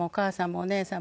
お姉さん。